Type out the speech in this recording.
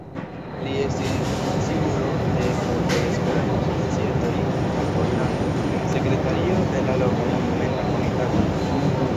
Li estis funkciulo de multaj Esperanto-Societoj en Pollando, sekretario de la Loka Monumenta Komitato.